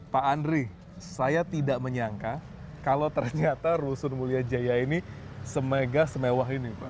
pak andri saya tidak menyangka kalau ternyata rusun mulia jaya ini semegah semewah ini pak